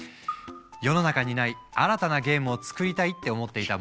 世の中にない新たなゲームを作りたいって思っていた